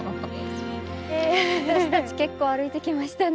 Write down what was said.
私たち結構歩いてきましたね。